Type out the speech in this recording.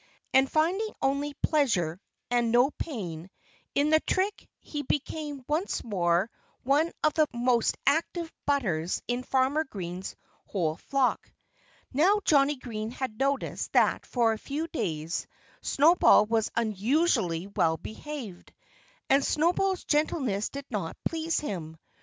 And finding only pleasure, and no pain, in the trick he became once more one of the most active butters in Farmer Green's whole flock. Now, Johnnie Green had noticed that for a few days Snowball was unusually well behaved. And Snowball's gentleness did not please him.